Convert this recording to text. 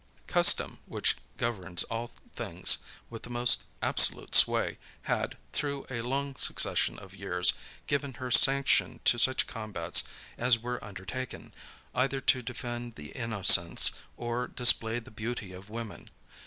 Custom, which governs all things with the most absolute sway, had, through a long succession of years, given her sanction to such combats as were undertaken, either to defend the innocence, or display the beauty of women.